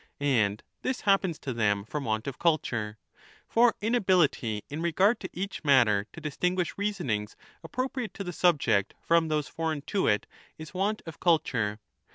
And this happens to them from want of culture ; for inability in regard to each matter to distinguish reasonings appropriate to the subject from those 10 foreign to it is want of culture.